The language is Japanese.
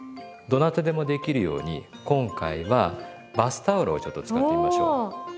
どなたでもできるように今回はバスタオルをちょっと使ってみましょう。